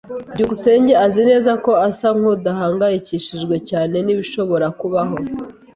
byukusenge azi neza ko asa nkudahangayikishijwe cyane nibishobora kubaho.